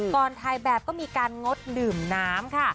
ถ่ายแบบก็มีการงดดื่มน้ำค่ะ